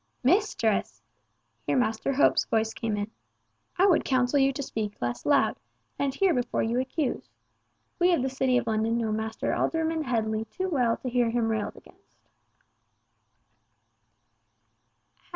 "Mistress!" here Master Hope's voice came in, "I would counsel you to speak less loud, and hear before you accuse. We of the City of London know Master Alderman Headley too well to hear him railed against."